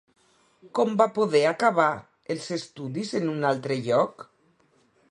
Com va poder acabar els estudis en un altre lloc?